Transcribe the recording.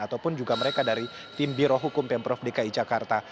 atau pun juga mereka dari tim biroh hukum pemprov dki jakarta